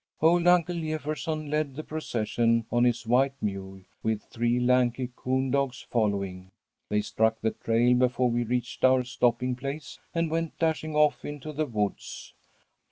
"Old Unc' Jefferson led the procession on his white mule, with three lanky coon dogs following. They struck the trail before we reached our stopping place, and went dashing off into the woods.